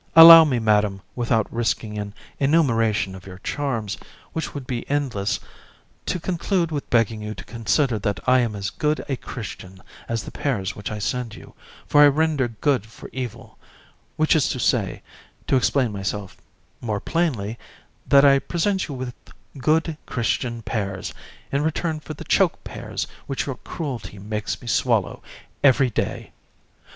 Allow me, Madam, without risking an enumeration of your charms, which would be endless, to conclude with begging you to consider that I am as good a Christian as the pears which I send you, for I render good for evil; which is to say, to explain myself more plainly, that I present you with good Christian pears in return for the choke pears which your cruelty makes me swallow every day.